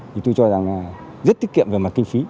thì tôi cho rằng là rất tiết kiệm về mặt kinh phí